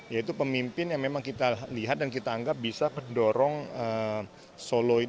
yaitu pemimpin yang memang kita lihat dan kita anggap bisa mendorong soloid